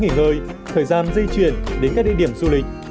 nghỉ ngơi thời gian di chuyển đến các địa điểm du lịch